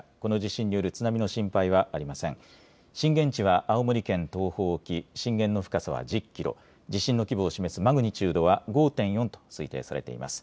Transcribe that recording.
震源地は青森県東方沖、震源の深さは１０キロ、地震の規模を示すマグニチュードは５．４と推定されています。